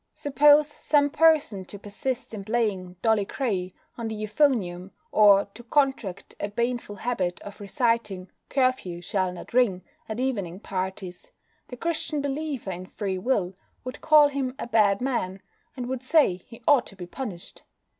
Suppose some person to persist in playing "Dolly Grey" on the euphonium, or to contract a baneful habit of reciting "Curfew shall not Ring" at evening parties, the Christian believer in Free Will would call him a bad man, and would say he ought to be punished.